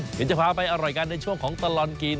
เดี๋ยวจะพาไปอร่อยกันในช่วงของตลอดกิน